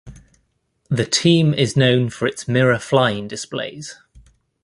The team is known for its mirror flying displays.